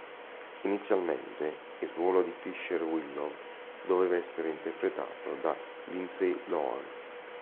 Inizialmente il ruolo di Fisher Willow doveva essere interpretato da Lindsay Lohan.